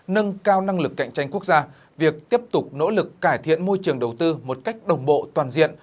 nâng cao năng lực cạnh tranh quốc gia việc tiếp tục nỗ lực cải thiện môi trường đầu tư một cách đồng bộ toàn diện